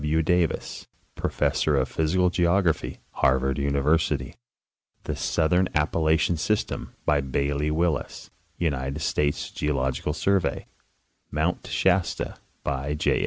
M. Davis, professor of physical geography, Harvard Univer sity ; The southern Appalachian system, by Bailey Willis, United States Geological Survey ; Mount Shasta, by J.